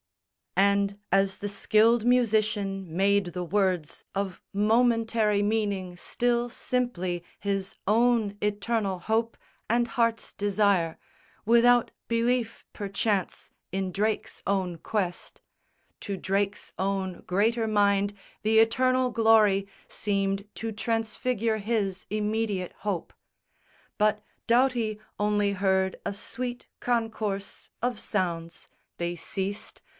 _ And, as the skilled musician made the words Of momentary meaning still simply His own eternal hope and heart's desire, Without belief, perchance, in Drake's own quest To Drake's own greater mind the eternal glory Seemed to transfigure his immediate hope. But Doughty only heard a sweet concourse Of sounds. They ceased.